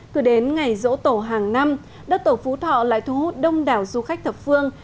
cứ đến ngày dỗ tổ hàng năm đất tổ phú thọ lại thu hút đông đảo du khách thập phương